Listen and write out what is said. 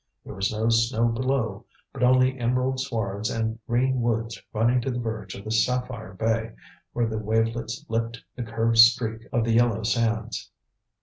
There was no snow below, but only emerald swards and green woods running to the verge of the sapphire bay, where the wavelets lipped the curved streak of the yellow sands.